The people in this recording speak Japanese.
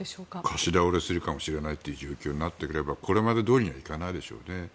貸し倒れするかもしれない状況になってくればこれまでどおりにはいかないでしょうね。